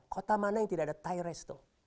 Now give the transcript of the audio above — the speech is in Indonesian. kota mana yang tidak ada thai resto